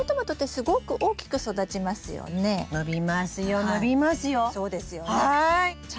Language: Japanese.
伸びますよ伸びますよ。